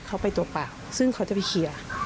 เขาไปตัวปากซึ่งเขาจะไปเคลียร์